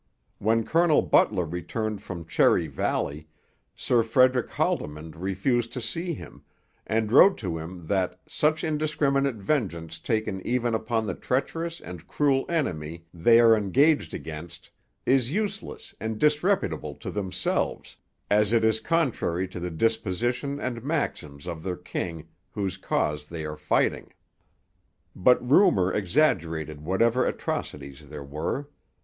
When Colonel Butler returned from Cherry Valley, Sir Frederick Haldimand refused to see him, and wrote to him that 'such indiscriminate vengeance taken even upon the treacherous and cruel enemy they are engaged against is useless and disreputable to themselves, as it is contrary to the disposition and maxims of their King whose cause they are fighting.' But rumour exaggerated whatever atrocities there were.